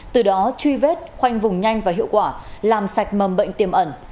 từ đó truy vết khoanh vùng nhanh và hiệu quả làm sạch mầm bệnh tiềm ẩn